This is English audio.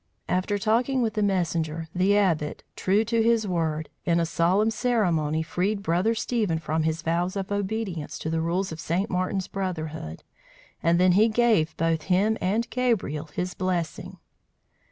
After talking with the messenger, the Abbot, true to his word, in a solemn ceremony, freed Brother Stephen from his vows of obedience to the rules of St. Martin's brotherhood; and then he gave both him and Gabriel his blessing.